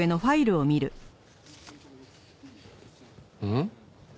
ん？